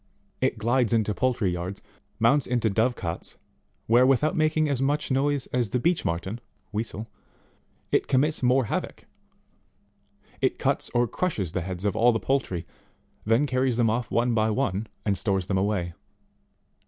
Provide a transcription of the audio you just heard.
It glides into poultry yards, mounts into dove cots, where, without making as much noise as the Beech Marten, (Weasel,) it commits more havoc ; it cuts or crushes the heads of all the poultry, then carries them off one by one, and stores them away.